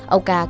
ông ca còn mắng